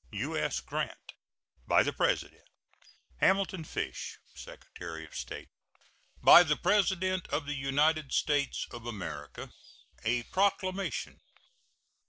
U.S. GRANT. By the President: HAMILTON FISH, Secretary of State. BY THE PRESIDENT OF THE UNITED STATES OF AMERICA. A PROCLAMATION.